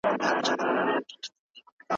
مالومه نه سوه چي پر کومه خوا روانه سوله